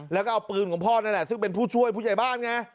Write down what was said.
แล้วก็เอาปืนของพ่อนั่นแหละซึ่งเป็นผู้ช่วยผู้ใหญ่บ้านไง